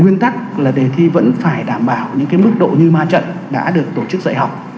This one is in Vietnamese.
nguyên tắc là đề thi vẫn phải đảm bảo những mức độ như ma trận đã được tổ chức dạy học